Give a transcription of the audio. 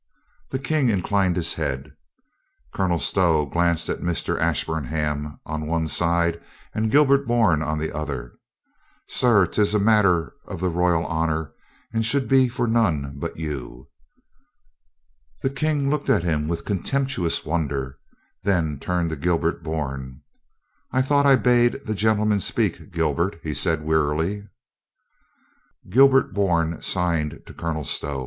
The King inclined his head. Colonel Stow glanced at Mr. Ashburnham on one side and Gilbert Bourne on the other. "Sir, 'tis a matter of the royal honor and should be for none but you." The King looked at him with contemptuous won der, then turned to Gilbert Bourne. "I thought I bade the gentleman speak, Gilbert?" he said wear iiy Gilbert Bourne signed to Colonel Stow.